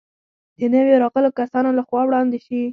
د نویو راغلو کسانو له خوا وړاندې شي.